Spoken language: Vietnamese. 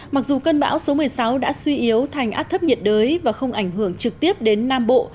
mặc dù cơn bão số một mươi sáu đã suy yếu thành áp thấp nhiệt đới và không ảnh hưởng trực tiếp đến nam bộ